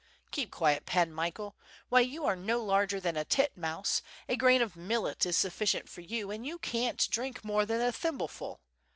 "Keep quiet. Pan Michael, why you are no larger than a titmouse, a grain of millet is sufficient for you, and you can't drink more than a thimbleful.